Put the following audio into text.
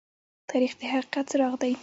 تاریخ د حقیقت څراغ دى.